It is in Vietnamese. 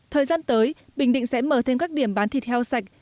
thời gian tới bình định sẽ mở thêm các điểm bán thịt heo sạch